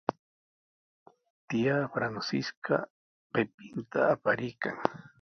Tiyaa Francisca qipinta apariykan.